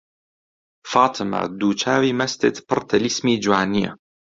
فاتمە دوو چاوی مەستت پڕ تەلیسمی جوانییە